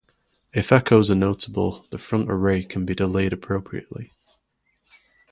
If echoes are notable, the front array can be delayed appropriately.